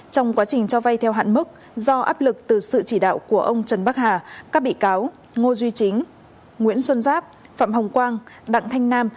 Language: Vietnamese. trong quá trình cho vay theo hạn mức do áp lực từ sự chỉ đạo của ông trần bắc hà các bị cáo ngô duy chính nguyễn xuân giáp phạm hồng quang đặng thanh nam